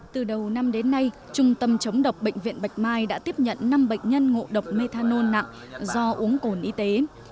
từ đầu năm đến nay trung tâm chống độc bệnh viện bạch mai đã tiếp nhận năm bệnh nhân ngộ độc methanol nặng do uống cồn y tế